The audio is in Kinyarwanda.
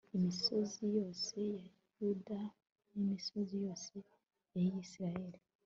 imisozi yose ya yuda n'imisozi yose ya israheli